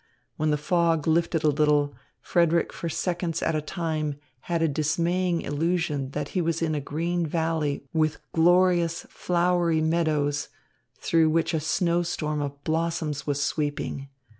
When the fog lifted a little, Frederick for seconds at a time had a dismaying illusion that he was in a green valley with glorious, flowery meadows, through which a snowstorm of blossoms was sweeping.